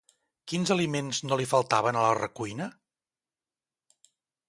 Quins aliments no li faltaven a la recuina?